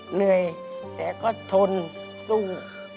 เหนื่อยแต่ก็ทนซุ่ม